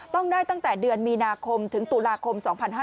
ต้องได้ตั้งแต่เดือนมีนาคมถึงตุลาคม๒๕๕๙